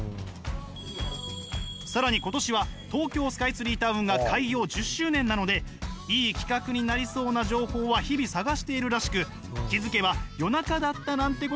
更に今年は東京スカイツリータウンが開業１０周年なのでいい企画になりそうな情報は日々探しているらしく気付けば夜中だったなんてこともあるんです。